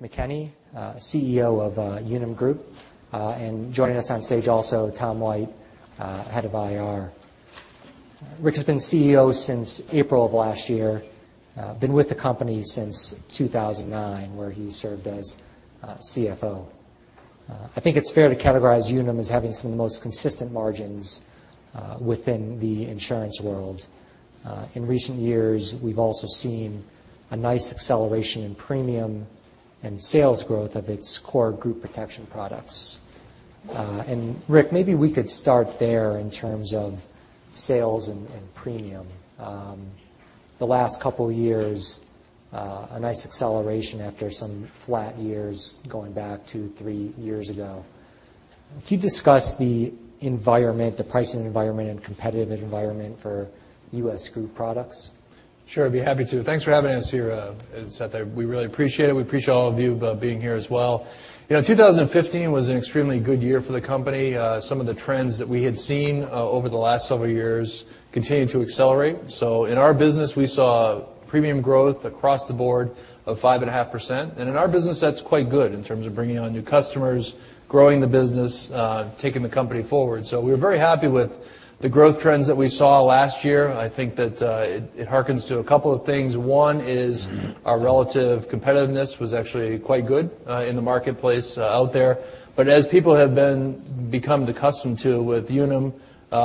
Rick McKenney, CEO of Unum Group. Joining us on stage also, Tom White, head of IR. Rick has been CEO since April of last year, been with the company since 2009, where he served as CFO. I think it's fair to categorize Unum as having some of the most consistent margins within the insurance world. In recent years, we've also seen a nice acceleration in premium and sales growth of its core group protection products. Rick, maybe we could start there in terms of sales and premium. The last couple of years, a nice acceleration after some flat years going back to three years ago. Could you discuss the environment, the pricing environment and competitive environment for US group products? Sure, I'd be happy to. Thanks for having us here, Seth. We really appreciate it. We appreciate all of you being here as well. 2015 was an extremely good year for the company. Some of the trends that we had seen over the last several years continued to accelerate. In our business, we saw premium growth across the board of 5.5%. In our business, that's quite good in terms of bringing on new customers, growing the business, taking the company forward. We were very happy with the growth trends that we saw last year. I think that it hearkens to a couple of things. One is our relative competitiveness was actually quite good in the marketplace out there. As people have become accustomed to with Unum,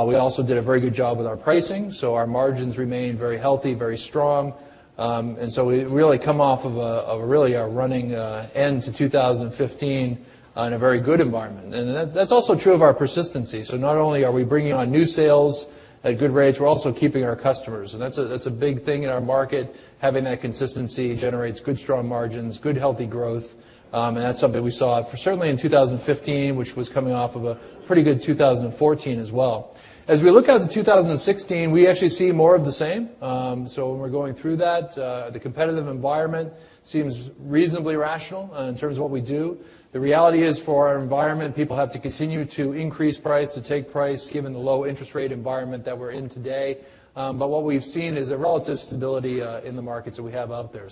we also did a very good job with our pricing. Our margins remained very healthy, very strong. We really come off of a really running end to 2015 in a very good environment. That's also true of our persistency. Not only are we bringing on new sales at good rates, we're also keeping our customers, and that's a big thing in our market. Having that consistency generates good, strong margins, good, healthy growth, and that's something we saw certainly in 2015, which was coming off of a pretty good 2014 as well. As we look out to 2016, we actually see more of the same. When we're going through that, the competitive environment seems reasonably rational in terms of what we do. The reality is, for our environment, people have to continue to increase price, to take price given the low interest rate environment that we're in today. What we've seen is a relative stability in the markets that we have out there.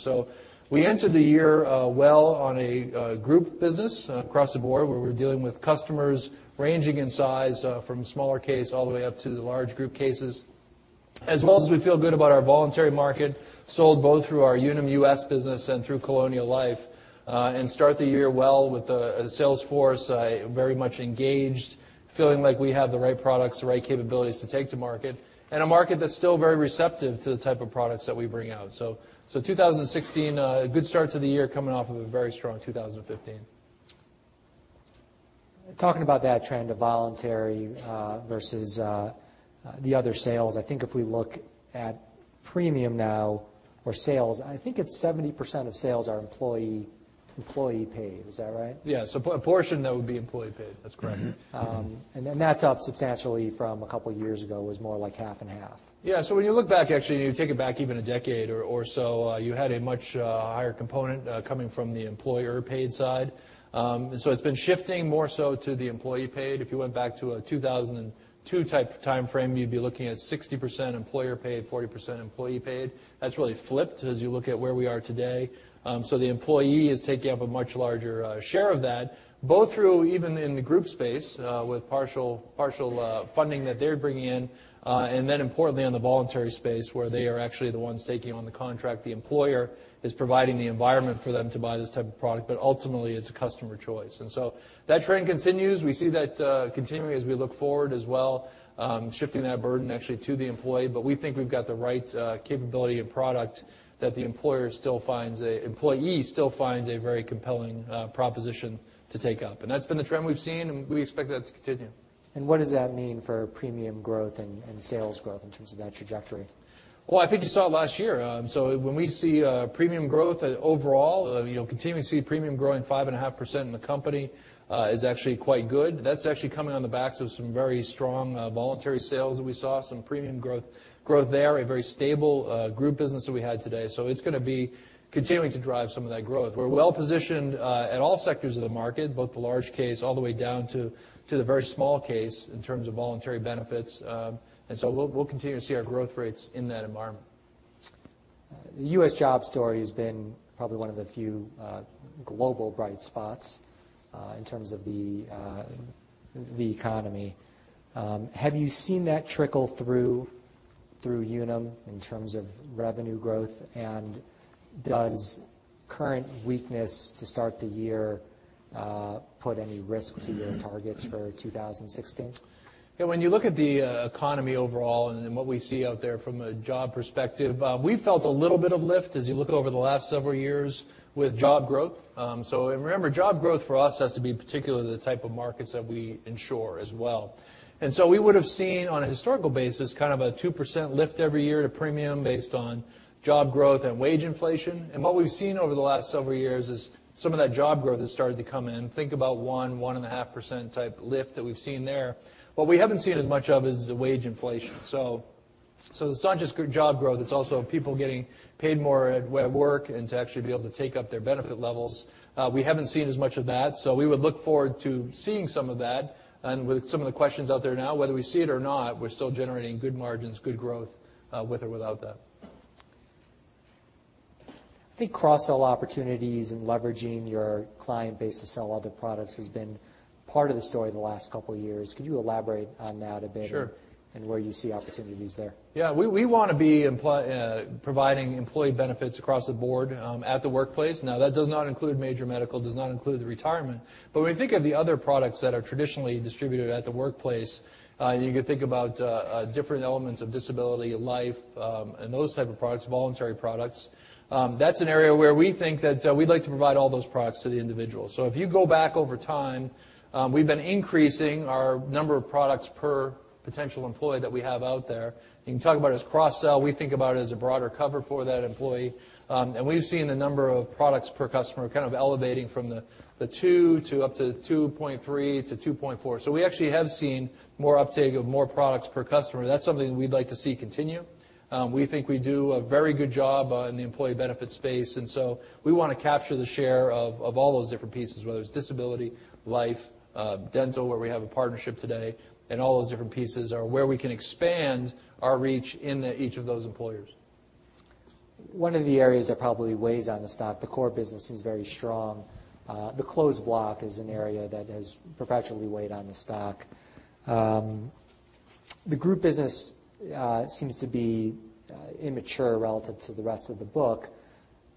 We entered the year well on a group business across the board, where we're dealing with customers ranging in size from smaller case all the way up to the large group cases. As well as we feel good about our voluntary market, sold both through our Unum US business and through Colonial Life, and start the year well with the sales force very much engaged, feeling like we have the right products, the right capabilities to take to market, in a market that's still very receptive to the type of products that we bring out. 2016, a good start to the year coming off of a very strong 2015. Talking about that trend of voluntary versus the other sales, I think if we look at premium now or sales, I think it's 70% of sales are employee paid. Is that right? A portion that would be employee paid, that's correct. That's up substantially from a couple of years ago, was more like half and half. Yeah. When you look back, actually, and you take it back even a decade or so, you had a much higher component coming from the employer paid side. It's been shifting more so to the employee paid. If you went back to a 2002 type timeframe, you'd be looking at 60% employer paid, 40% employee paid. That's really flipped as you look at where we are today. The employee is taking up a much larger share of that, both through even in the group space with partial funding that they're bringing in, and then importantly on the voluntary space where they are actually the ones taking on the contract. The employer is providing the environment for them to buy this type of product, but ultimately it's a customer choice. That trend continues. We see that continuing as we look forward as well, shifting that burden actually to the employee. We think we've got the right capability and product that the employee still finds a very compelling proposition to take up. That's been the trend we've seen, and we expect that to continue. What does that mean for premium growth and sales growth in terms of that trajectory? Well, I think you saw it last year. When we see premium growth overall, continuing to see premium growing 5.5% in the company is actually quite good. That's actually coming on the backs of some very strong voluntary sales that we saw, some premium growth there, a very stable group business that we had today. It's going to be continuing to drive some of that growth. We're well positioned at all sectors of the market, both the large case all the way down to the very small case in terms of voluntary benefits. We'll continue to see our growth rates in that environment. The U.S. job story has been probably one of the few global bright spots in terms of the economy. Have you seen that trickle through Unum in terms of revenue growth? Does current weakness to start the year put any risk to your targets for 2016? When you look at the economy overall and what we see out there from a job perspective, we felt a little bit of lift as you look over the last several years with job growth. Remember, job growth for us has to be particular to the type of markets that we insure as well. We would have seen on a historical basis kind of a 2% lift every year to premium based on job growth and wage inflation. What we've seen over the last several years is some of that job growth has started to come in. Think about one, 1.5% type lift that we've seen there. What we haven't seen as much of is the wage inflation. It's not just job growth, it's also people getting paid more at work and to actually be able to take up their benefit levels. We haven't seen as much of that. We would look forward to seeing some of that. With some of the questions out there now, whether we see it or not, we're still generating good margins, good growth, with or without that. I think cross-sell opportunities and leveraging your client base to sell other products has been part of the story the last couple of years. Could you elaborate on that a bit? Sure. Where you see opportunities there. Yeah. We want to be providing employee benefits across the board at the workplace. That does not include major medical, does not include the retirement. When you think of the other products that are traditionally distributed at the workplace, you could think about different elements of disability, life, and those type of products, voluntary products. That's an area where we think that we'd like to provide all those products to the individual. If you go back over time, we've been increasing our number of products per potential employee that we have out there. You can talk about it as cross-sell. We think about it as a broader cover for that employee. We've seen the number of products per customer kind of elevating from the 2 to up to 2.3 to 2.4. We actually have seen more uptake of more products per customer. That's something we'd like to see continue. We think we do a very good job in the employee benefit space, we want to capture the share of all those different pieces, whether it's disability, life, dental, where we have a partnership today, all those different pieces are where we can expand our reach into each of those employers. One of the areas that probably weighs on the stock, the core business is very strong. The closed block is an area that has perpetually weighed on the stock. The group business seems to be immature relative to the rest of the book.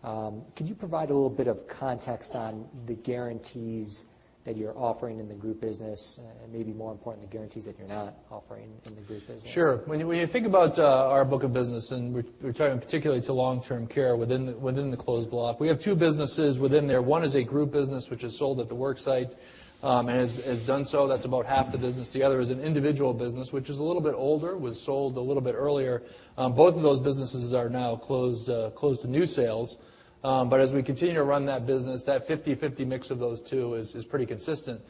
Can you provide a little bit of context on the guarantees that you're offering in the group business? Maybe more importantly, guarantees that you're not offering in the group business. Sure. When you think about our book of business, we're talking particularly to long-term care within the closed block, we have two businesses within there. One is a group business, which is sold at the work site, has done so. That's about half the business. The other is an individual business, which is a little bit older, was sold a little bit earlier. Both of those businesses are now closed to new sales. As we continue to run that business, that 50/50 mix of those two is pretty consistent.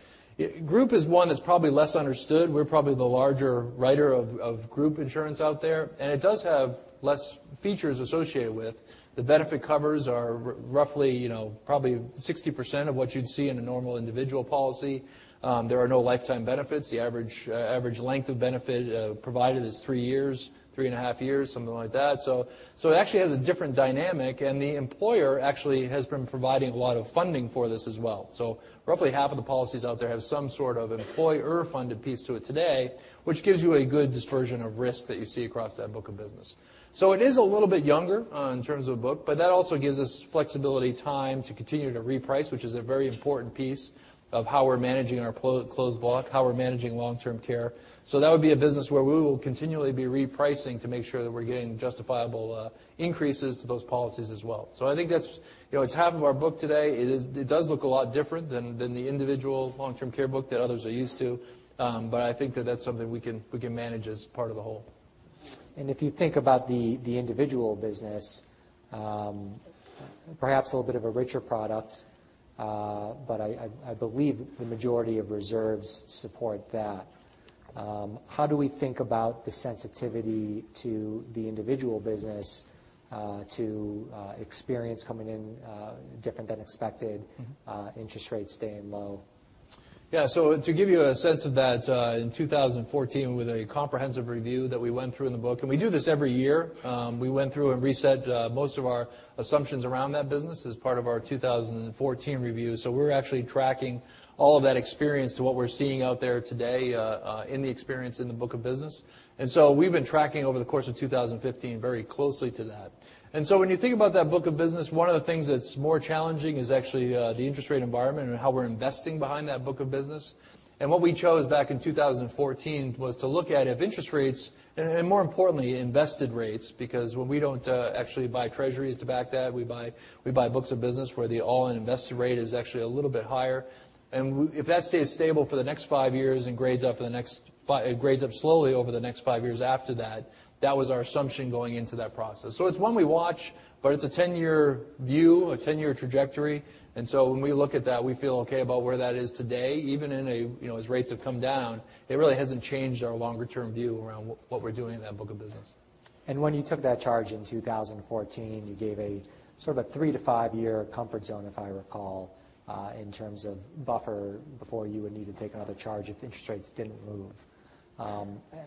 Group is one that's probably less understood. We're probably the larger writer of group insurance out there, it does have less features associated with. The benefit covers are roughly probably 60% of what you'd see in a normal individual policy. There are no lifetime benefits. The average length of benefit provided is three years, three and a half years, something like that. It actually has a different dynamic, and the employer actually has been providing a lot of funding for this as well. Roughly half of the policies out there have some sort of employer-funded piece to it today, which gives you a good dispersion of risk that you see across that book of business. It is a little bit younger in terms of the book, but that also gives us flexibility, time to continue to reprice, which is a very important piece of how we're managing our closed block, how we're managing long-term care. That would be a business where we will continually be repricing to make sure that we're getting justifiable increases to those policies as well. I think it's half of our book today. It does look a lot different than the individual long-term care book that others are used to. I think that that's something we can manage as part of the whole. If you think about the individual business, perhaps a little bit of a richer product. I believe the majority of reserves support that. How do we think about the sensitivity to the individual business to experience coming in different than expected, interest rates staying low? To give you a sense of that, in 2014, with a comprehensive review that we went through in the book, we do this every year, we went through and reset most of our assumptions around that business as part of our 2014 review. We're actually tracking all of that experience to what we're seeing out there today in the experience in the book of business. We've been tracking over the course of 2015 very closely to that. When you think about that book of business, one of the things that's more challenging is actually the interest rate environment and how we're investing behind that book of business. What we chose back in 2014 was to look at if interest rates, and more importantly, invested rates, because when we don't actually buy treasuries to back that, we buy books of business where the all-in invested rate is actually a little bit higher. If that stays stable for the next five years and grades up slowly over the next five years after that was our assumption going into that process. It's one we watch, but it's a 10-year view, a 10-year trajectory. When we look at that, we feel okay about where that is today. Even as rates have come down, it really hasn't changed our longer-term view around what we're doing in that book of business. When you took that charge in 2014, you gave a sort of a three to five year comfort zone, if I recall, in terms of buffer before you would need to take another charge if interest rates didn't move.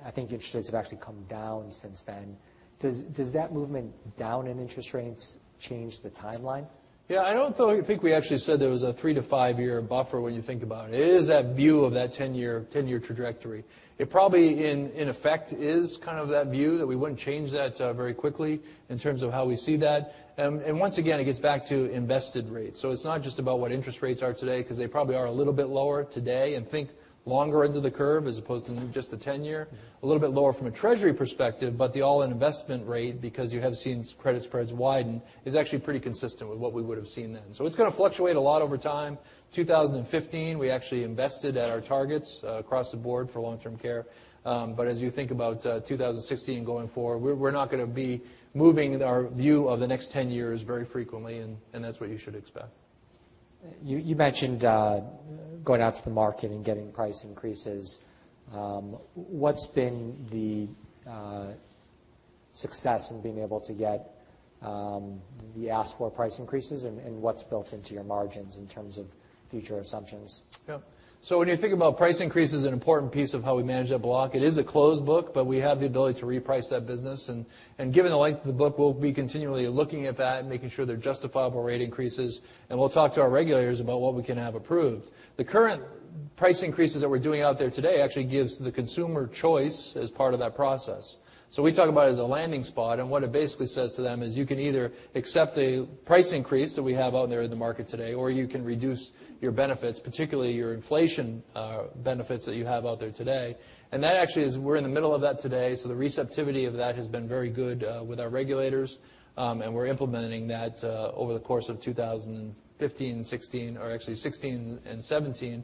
I think interest rates have actually come down since then. Does that movement down in interest rates change the timeline? Yeah, I don't think we actually said there was a three to five year buffer when you think about it. It is that view of that 10-year trajectory. It probably, in effect, is kind of that view that we wouldn't change that very quickly in terms of how we see that. Once again, it gets back to invested rates. It's not just about what interest rates are today, because they probably are a little bit lower today, and think longer into the curve as opposed to just the 10-year. A little bit lower from a treasury perspective, but the all-in investment rate, because you have seen credit spreads widen, is actually pretty consistent with what we would have seen then. It's going to fluctuate a lot over time. 2015, we actually invested at our targets across the board for long-term care. As you think about 2016 going forward, we're not going to be moving our view of the next 10 years very frequently, and that's what you should expect. You mentioned going out to the market and getting price increases. What's been the success in being able to get the ask for price increases and what's built into your margins in terms of future assumptions. Yeah. When you think about price increases, an important piece of how we manage that block, it is a closed block, but we have the ability to reprice that business. Given the length of the block, we'll be continually looking at that and making sure they're justifiable rate increases, and we'll talk to our regulators about what we can have approved. The current price increases that we're doing out there today actually gives the consumer choice as part of that process. We talk about it as a Landing Spot, and what it basically says to them is you can either accept a price increase that we have out there in the market today, or you can reduce your benefits, particularly your inflation benefits that you have out there today. That actually is, we're in the middle of that today, the receptivity of that has been very good with our regulators, we're implementing that over the course of 2015 and 2016. Actually 2016 and 2017.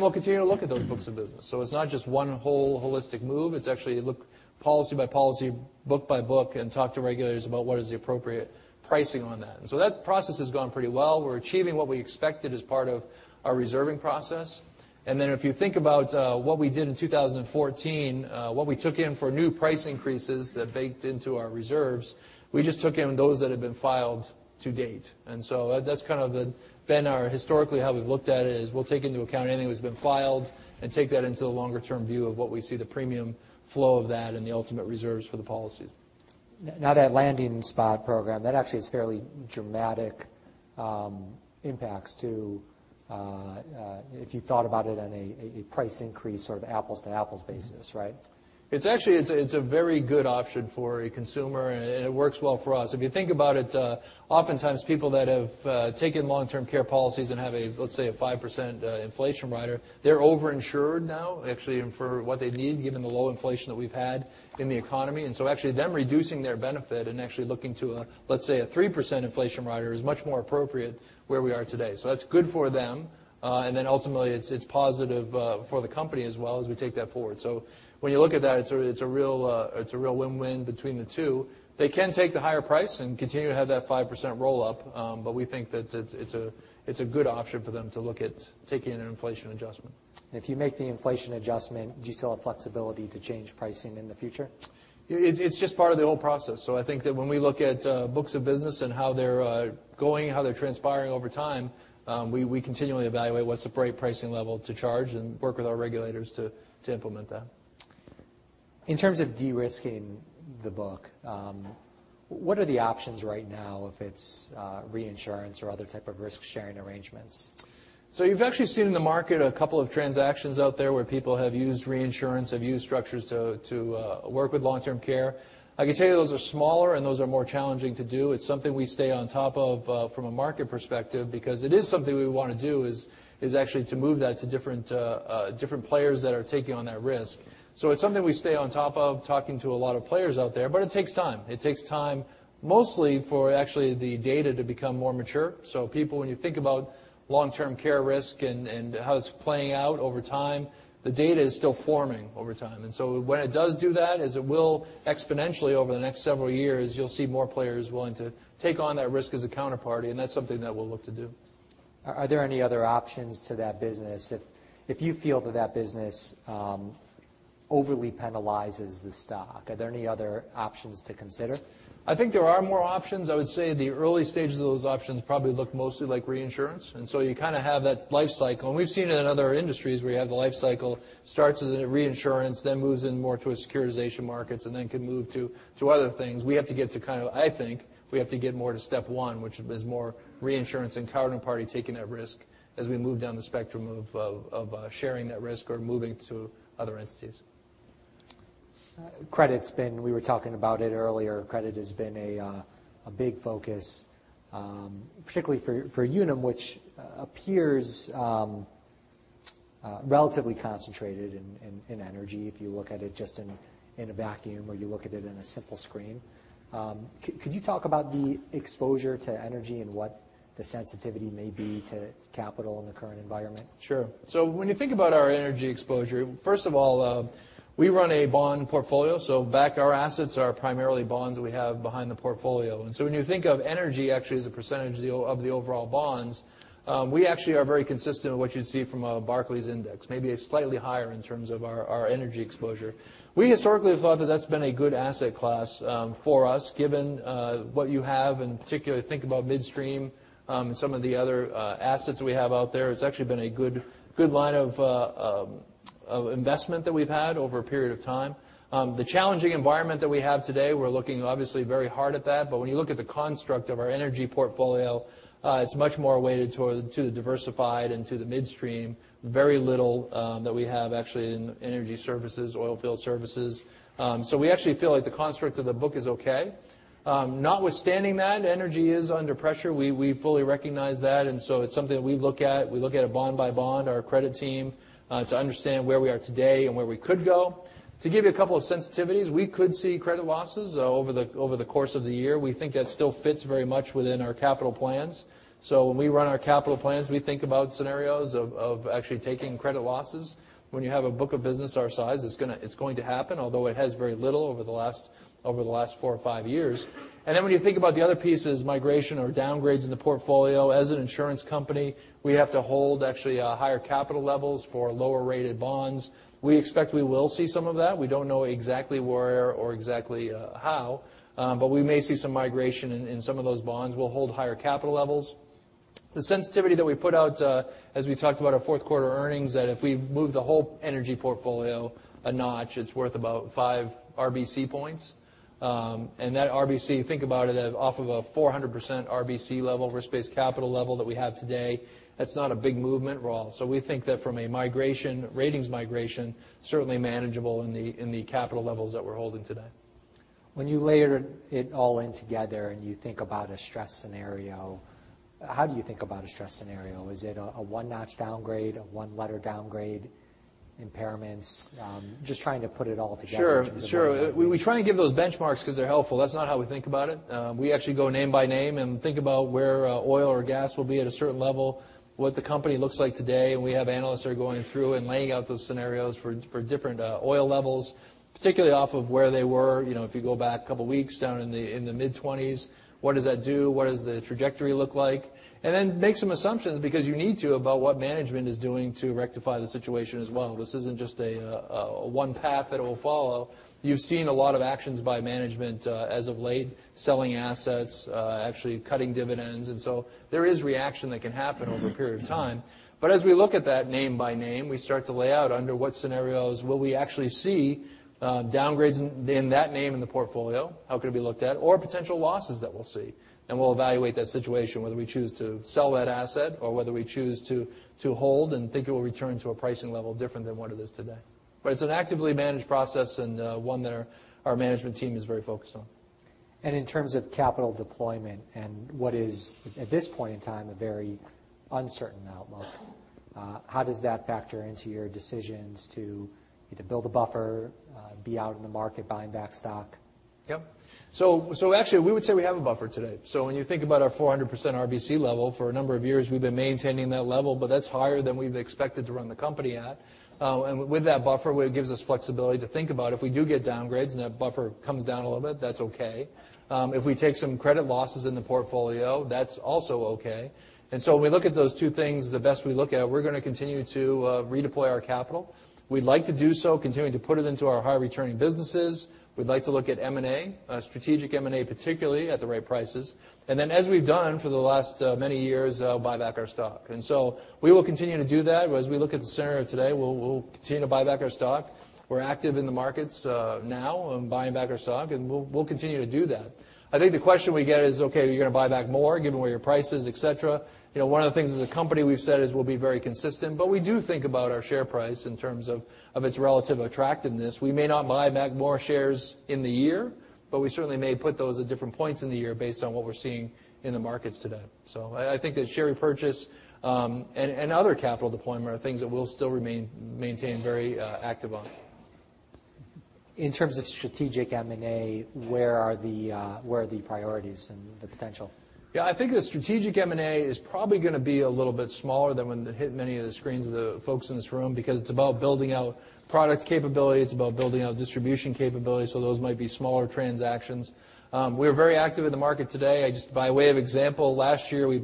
We'll continue to look at those books of business. It's not just one whole holistic move. It's actually look policy by policy, book by book, and talk to regulators about what is the appropriate pricing on that. That process has gone pretty well. We're achieving what we expected as part of our reserving process. If you think about what we did in 2014, what we took in for new price increases that baked into our reserves, we just took in those that have been filed to date. That's kind of been our historically how we've looked at it is we'll take into account anything that's been filed and take that into the longer term view of what we see the premium flow of that and the ultimate reserves for the policy. Now, that Landing Spot Program, that actually is fairly dramatic impacts to, if you thought about it on a price increase sort of apples to apples basis, right? It's actually a very good option for a consumer, and it works well for us. If you think about it, oftentimes people that have taken long-term care policies and have, let's say, a 5% inflation rider, they're over-insured now, actually, for what they need, given the low inflation that we've had in the economy. Actually, them reducing their benefit and actually looking to, let's say, a 3% inflation rider is much more appropriate where we are today. That's good for them. Ultimately, it's positive for the company as well, as we take that forward. When you look at that, it's a real win-win between the two. They can take the higher price and continue to have that 5% roll-up, but we think that it's a good option for them to look at taking an inflation adjustment. If you make the inflation adjustment, do you still have flexibility to change pricing in the future? It's just part of the whole process. I think that when we look at books of business and how they're going, how they're transpiring over time, we continually evaluate what's the right pricing level to charge and work with our regulators to implement that. In terms of de-risking the book, what are the options right now if it's reinsurance or other type of risk-sharing arrangements? You've actually seen in the market a couple of transactions out there where people have used reinsurance, have used structures to work with long-term care. I can tell you those are smaller and those are more challenging to do. It's something we stay on top of from a market perspective because it is something we want to do, is actually to move that to different players that are taking on that risk. It's something we stay on top of, talking to a lot of players out there, but it takes time. It takes time mostly for actually the data to become more mature. People, when you think about long-term care risk and how it's playing out over time, the data is still forming over time. When it does do that, as it will exponentially over the next several years, you'll see more players willing to take on that risk as a counterparty, and that's something that we'll look to do. Are there any other options to that business if you feel that that business overly penalizes the stock? Are there any other options to consider? I think there are more options. I would say the early stages of those options probably look mostly like reinsurance. So you kind of have that life cycle. We've seen it in other industries where you have the life cycle starts as a reinsurance, then moves in more to a securitization markets, and then can move to other things. We have to get to kind of, I think, we have to get more to step 1, which is more reinsurance and counterparty taking that risk as we move down the spectrum of sharing that risk or moving to other entities. Credit's been, we were talking about it earlier, credit has been a big focus, particularly for Unum, which appears relatively concentrated in energy, if you look at it just in a vacuum or you look at it in a simple screen. Could you talk about the exposure to energy and what the sensitivity may be to capital in the current environment? Sure. When you think about our energy exposure, first of all, we run a bond portfolio, so backed our assets are primarily bonds that we have behind the portfolio. When you think of energy actually as a percentage of the overall bonds, we actually are very consistent in what you'd see from a Barclays index, maybe a slightly higher in terms of our energy exposure. We historically have thought that that's been a good asset class for us, given what you have, and particularly think about midstream, some of the other assets that we have out there. It's actually been a good line of investment that we've had over a period of time. The challenging environment that we have today, we're looking obviously very hard at that, but when you look at the construct of our energy portfolio, it's much more weighted to the diversified and to the midstream. Very little that we have actually in energy services, oil field services. We actually feel like the construct of the book is okay. Notwithstanding that, energy is under pressure. We fully recognize that, it's something that we look at. We look at it bond by bond, our credit team, to understand where we are today and where we could go. To give you a couple of sensitivities, we could see credit losses over the course of the year. We think that still fits very much within our capital plans. When we run our capital plans, we think about scenarios of actually taking credit losses. When you have a book of business our size, it's going to happen, although it has very little over the last four or five years. When you think about the other pieces, migration or downgrades in the portfolio, as an insurance company, we have to hold actually higher capital levels for lower rated bonds. We expect we will see some of that. We don't know exactly where or exactly how. We may see some migration in some of those bonds. We'll hold higher capital levels. The sensitivity that we put out as we talked about our fourth quarter earnings, that if we move the whole energy portfolio a notch, it's worth about five RBC points. That RBC, think about it, off of a 400% RBC level, risk-based capital level that we have today, that's not a big movement at all. We think that from a ratings migration, certainly manageable in the capital levels that we're holding today. When you layer it all in together and you think about a stress scenario, how do you think about a stress scenario? Is it a one-notch downgrade, a one-letter downgrade, impairments? Just trying to put it all together in terms of. Sure. We try and give those benchmarks because they're helpful. That's not how we think about it. We actually go name by name and think about where oil or gas will be at a certain level, what the company looks like today, and we have analysts that are going through and laying out those scenarios for different oil levels, particularly off of where they were. If you go back a couple of weeks, down in the mid-20s, what does that do? What does the trajectory look like? Make some assumptions, because you need to, about what management is doing to rectify the situation as well. This isn't just a one path it'll follow. You've seen a lot of actions by management as of late, selling assets, actually cutting dividends, there is reaction that can happen over a period of time. As we look at that name by name, we start to lay out under what scenarios will we actually see downgrades in that name in the portfolio, how could it be looked at, or potential losses that we'll see. We'll evaluate that situation, whether we choose to sell that asset or whether we choose to hold and think it will return to a pricing level different than what it is today. It's an actively managed process and one that our management team is very focused on. In terms of capital deployment and what is, at this point in time, a very uncertain outlook, how does that factor into your decisions to either build a buffer, be out in the market buying back stock? Yep. Actually, we would say we have a buffer today. When you think about our 400% RBC level, for a number of years, we've been maintaining that level, but that's higher than we've expected to run the company at. With that buffer, where it gives us flexibility to think about if we do get downgrades and that buffer comes down a little bit, that's okay. If we take some credit losses in the portfolio, that's also okay. When we look at those two things, we're going to continue to redeploy our capital. We'd like to do so, continuing to put it into our high-returning businesses. We'd like to look at M&A, strategic M&A particularly, at the right prices. As we've done for the last many years, buy back our stock. We will continue to do that. As we look at the scenario today, we'll continue to buy back our stock. We're active in the markets now and buying back our stock. We'll continue to do that. I think the question we get is, okay, are you going to buy back more given where your price is, et cetera? One of the things as a company we've said is we'll be very consistent, but we do think about our share price in terms of its relative attractiveness. We may not buy back more shares in the year, but we certainly may put those at different points in the year based on what we're seeing in the markets today. I think that share repurchase and other capital deployment are things that we'll still maintain very active on. In terms of strategic M&A, where are the priorities and the potential? Yeah, I think the strategic M&A is probably going to be a little bit smaller than when it hit many of the screens of the folks in this room because it's about building out product capability. It's about building out distribution capability. Those might be smaller transactions. We're very active in the market today. Just by way of example, last year we,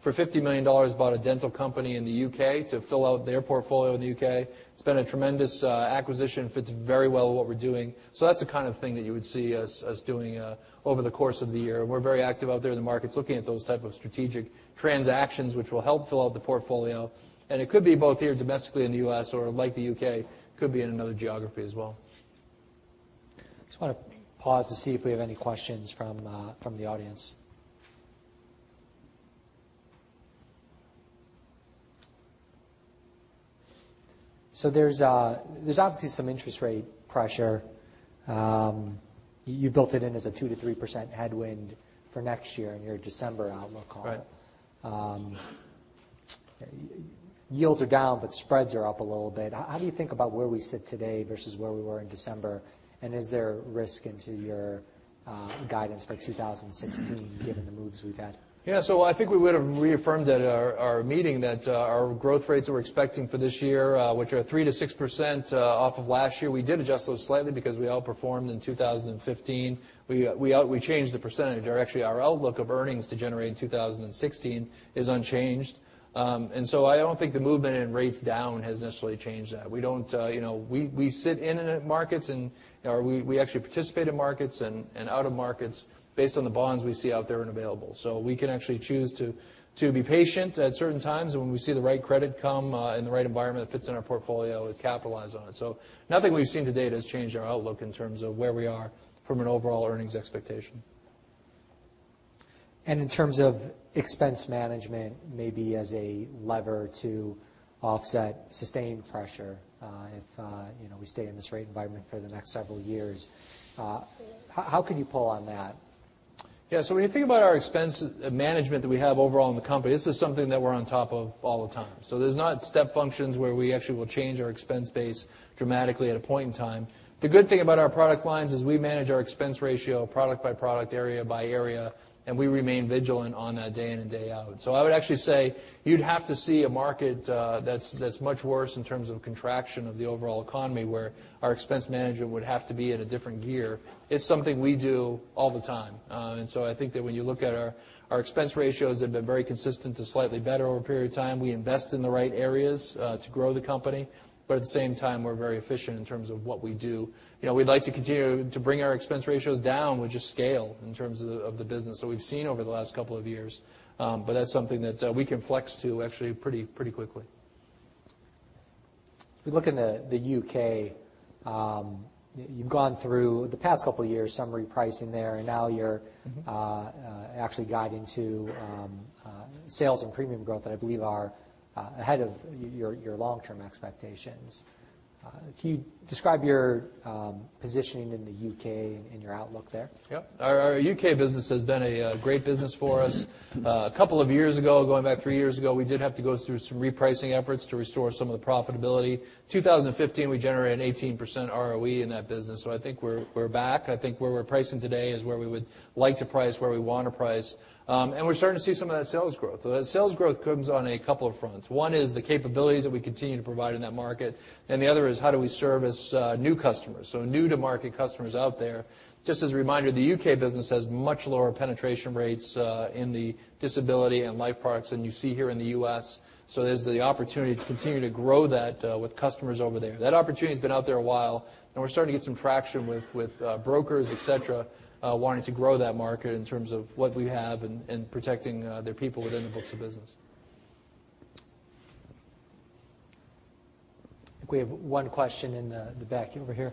for $50 million, bought a dental company in the U.K. to fill out their portfolio in the U.K. It's been a tremendous acquisition, fits very well with what we're doing. That's the kind of thing that you would see us doing over the course of the year. We're very active out there in the markets looking at those type of strategic transactions which will help fill out the portfolio, it could be both here domestically in the U.S. or like the U.K., could be in another geography as well. Just want to pause to see if we have any questions from the audience. There's obviously some interest rate pressure. You built it in as a 2%-3% headwind for next year in your December outlook call. Right. Yields are down, spreads are up a little bit. How do you think about where we sit today versus where we were in December? Is there risk into your guidance for 2016 given the moves we've had? Yeah. I think we would've reaffirmed at our meeting that our growth rates that we're expecting for this year, which are 3%-6% off of last year, we did adjust those slightly because we outperformed in 2015. We changed the percentage, or actually our outlook of earnings to generate in 2016 is unchanged. I don't think the movement in rates down has necessarily changed that. We sit in and out of markets, and we actually participate in markets and out of markets based on the bonds we see out there and available. We can actually choose to be patient at certain times, and when we see the right credit come and the right environment that fits in our portfolio, we capitalize on it. Nothing we've seen to date has changed our outlook in terms of where we are from an overall earnings expectation. In terms of expense management, maybe as a lever to offset sustained pressure, if we stay in this rate environment for the next several years, how can you pull on that? Yeah. When you think about our expense management that we have overall in the company, this is something that we're on top of all the time. There's not step functions where we actually will change our expense base dramatically at a point in time. The good thing about our product lines is we manage our expense ratio product by product, area by area, and we remain vigilant on that day in and day out. I would actually say you'd have to see a market that's much worse in terms of contraction of the overall economy, where our expense management would have to be at a different gear. It's something we do all the time. I think that when you look at our expense ratios have been very consistent to slightly better over a period of time. We invest in the right areas to grow the company, at the same time, we're very efficient in terms of what we do. We'd like to continue to bring our expense ratios down with just scale in terms of the business that we've seen over the last couple of years. That's something that we can flex to actually pretty quickly. If you look in the U.K., you've gone through, the past couple of years, some repricing there, now you're actually guiding to sales and premium growth that I believe are ahead of your long-term expectations. Can you describe your positioning in the U.K. and your outlook there? Yep. Our U.K. business has been a great business for us. A couple of years ago, going back three years ago, we did have to go through some repricing efforts to restore some of the profitability. 2015, we generated 18% ROE in that business, I think we're back. I think where we're pricing today is where we would like to price, where we want to price. We're starting to see some of that sales growth. That sales growth comes on a couple of fronts. One is the capabilities that we continue to provide in that market, and the other is how do we service new customers, so new to market customers out there. Just as a reminder, the U.K. business has much lower penetration rates in the disability and life products than you see here in the U.S., there's the opportunity to continue to grow that with customers over there. That opportunity's been out there a while, we're starting to get some traction with brokers, et cetera, wanting to grow that market in terms of what we have and protecting their people within the books of business. I think we have one question in the back, over here.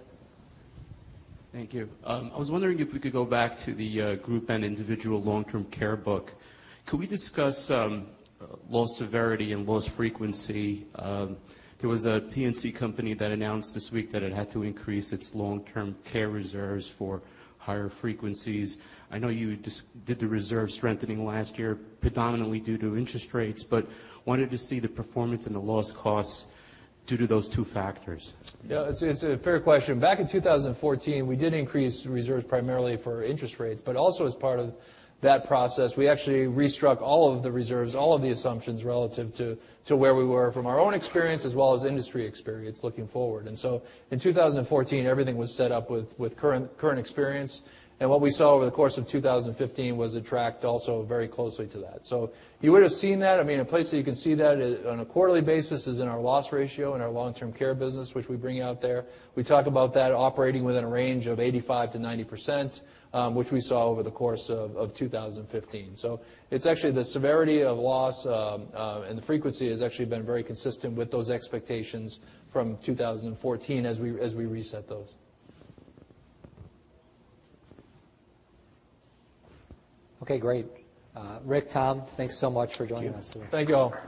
Thank you. I was wondering if we could go back to the group and individual long-term care book. Could we discuss loss severity and loss frequency? There was a P&C company that announced this week that it had to increase its long-term care reserves for higher frequencies. I know you did the reserve strengthening last year predominantly due to interest rates, wanted to see the performance and the loss costs due to those two factors. Yeah, it's a fair question. Back in 2014, we did increase reserves primarily for interest rates, but also as part of that process, we actually re-struck all of the reserves, all of the assumptions relative to where we were from our own experience as well as industry experience looking forward. In 2014, everything was set up with current experience. What we saw over the course of 2015 was it tracked also very closely to that. You would've seen that. A place that you can see that on a quarterly basis is in our loss ratio in our long-term care business, which we bring out there. We talk about that operating within a range of 85%-90%, which we saw over the course of 2015. It's actually the severity of loss, and the frequency has actually been very consistent with those expectations from 2014 as we reset those. Okay, great. Rick, Tom, thanks so much for joining us. Thank you. Thank you all.